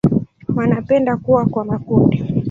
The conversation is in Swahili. Wanapenda kuwa kwa makundi.